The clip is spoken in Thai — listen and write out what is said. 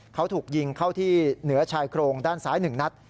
เขาถูกยิงเข้าที่เหนือชายโครงด้านซ้าย๑นัด